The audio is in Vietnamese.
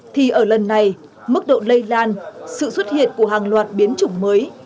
thì ở lần này mức độ lây lan sự xuất hiện của hàng loạt biến chủng mới